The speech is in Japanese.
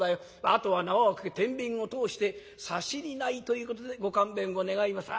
「あとは縄をかけ天秤を通して差し荷いということでご勘弁を願います」。